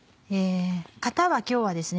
型は今日はですね